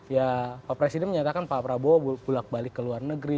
ya pak presiden menyatakan pak prabowo pulak balik ke luar negeri